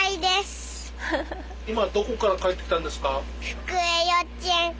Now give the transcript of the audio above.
今どこから帰ってきたんですか？